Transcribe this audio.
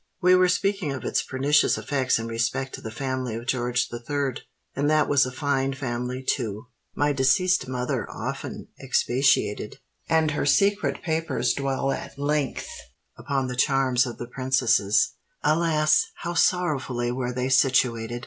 We were speaking of its pernicious effects in respect to the family of George the Third. And that was a fine family, too! My deceased mother often expatiated—and her secret papers dwell at length—upon the charms of the princesses. Alas! how sorrowfully were they situated!